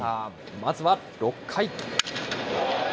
まずは６回。